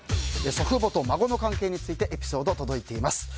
祖父母と孫のカンケイについてエピソード届いています。